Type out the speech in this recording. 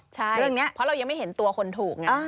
ใช่เพราะเรายังไม่เห็นตัวคนถูก